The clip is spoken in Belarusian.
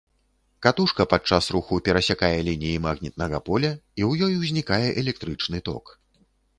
Катушка пад час руху перасякае лініі магнітнага поля, і ў ёй узнікае электрычны ток.